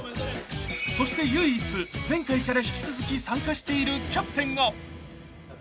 ［そして唯一前回から引き続き参加しているキャプテンが］